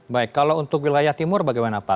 baik kalau untuk wilayah timur bagaimana pak